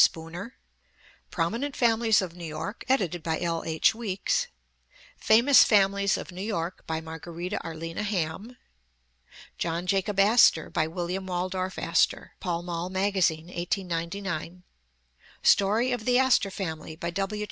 Spooner; Prominent Families of New York, edited by L. H. Weeks ; Famous Families of New York, by Margherita Arlina Hamm; John Jacob As tor, by William Waldorf Astor, Pall Mall Magazine, XII FORE WORD 1899; Story of the Astor Family, by W.